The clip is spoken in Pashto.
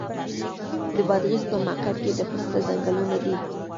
د بادغیس په مقر کې د پسته ځنګلونه دي.